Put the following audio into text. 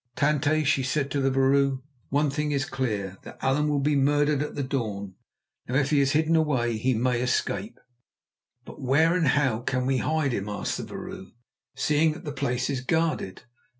"Tante," she said to the vrouw, "one thing is clear, that Allan will be murdered at the dawn; now if he is hidden away he may escape." "But where and how can we hide him," asked the vrouw, "seeing that the place is guarded?"